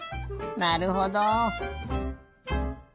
なるほど。